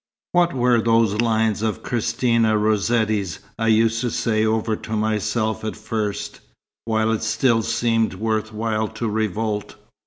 What were those lines of Christina Rossetti's I used to say over to myself at first, while it still seemed worth while to revolt?